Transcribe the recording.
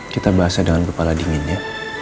kita bahasa dengan kepala dingin ya